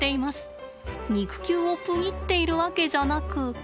肉球をプニっているわけじゃなく。